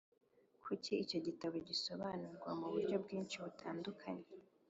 kuki icyo gitabo gisobanurwa mu buryo bwinshi butandukanye?